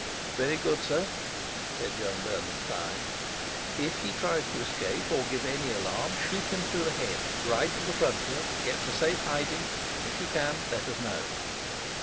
"Very good, sir," said young Bernenstein. "If he tries to escape or give any alarm, shoot him through the head, ride to the frontier, get to safe hiding, and, if you can, let us know."